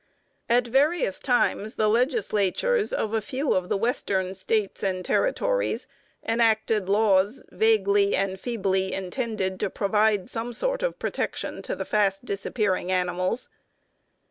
At various times the legislatures of a few of the Western States and Territories enacted laws vaguely and feebly intended to provide some sort of protection to the fast disappearing animals.